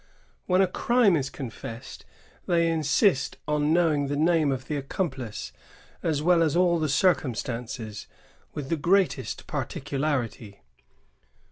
When a crime is confessed, they insist on knowing the name of the accomplice, as well as all the circumstances, with the greatest particularity.